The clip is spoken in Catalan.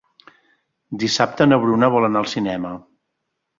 Dissabte na Bruna vol anar al cinema.